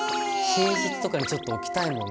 寝室とかにちょっと置きたいもんね